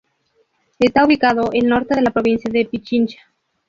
Está ubicado el norte de la provincia de Pichincha.